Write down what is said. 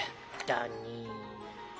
だに。